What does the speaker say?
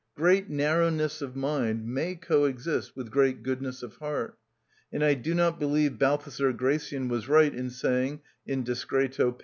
Great narrowness of mind may coexist with great goodness of heart, and I do not believe Balthazar Gracian was right in saying (Discreto, p.